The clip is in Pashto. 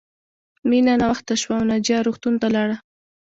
مینه ناوخته شوه او ناجیه روغتون ته لاړه